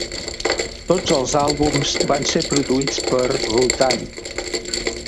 Tots els àlbums van ser produïts per Rutan.